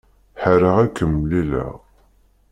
Ḥareɣ ad kem-mlileɣ.